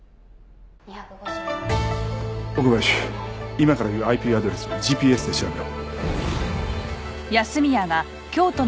今から言うＩＰアドレスをＧＰＳで調べろ。